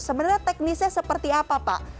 sebenarnya teknisnya seperti apa pak